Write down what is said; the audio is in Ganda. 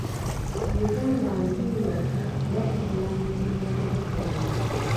Uganda nsi yaffe era tuvunaanyizibwa okugikuuma.